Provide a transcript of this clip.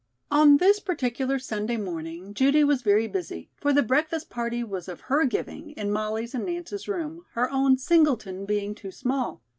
_] On this particular Sunday morning, Judy was very busy; for the breakfast party was of her giving, in Molly's and Nance's room; her own "singleton" being too small.